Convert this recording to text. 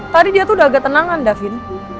tadi dia tuh udah agak tenangan davin